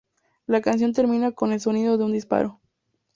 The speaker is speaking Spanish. La canción termina con el sonido de un disparo.